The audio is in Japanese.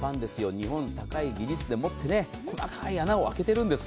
日本の高い技術でもって細かい穴を開けているんです。